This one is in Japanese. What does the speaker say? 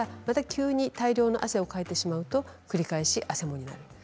急に大量の汗をかいてしまうと繰り返しあせもになります。